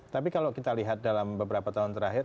tapi kalau kita lihat dalam beberapa tahun terakhir